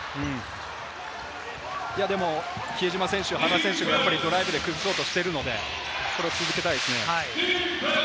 比江島選手、原選手がドライブで崩そうとしているので、それを続けたいですね。